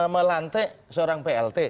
melantik seorang plt